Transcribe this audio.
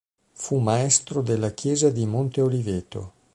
Fu maestro della chiesa di Monteoliveto.